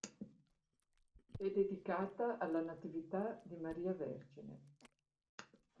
È dedicata alla Natività di Maria Vergine.